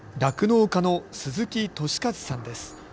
酪農家の鈴木利一さんです。